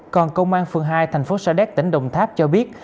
còn công an phường hai thành phố sa đéc tỉnh đồng tháp cho biết